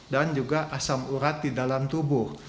dan juga asam urat di dalam tubuh